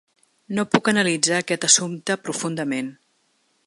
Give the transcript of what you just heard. No puc analitzar aquest assumpte profundament.